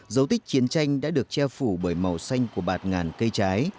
dấu tích chiến tranh đã được che phủ bởi màu xanh của bạt ngàn cây trái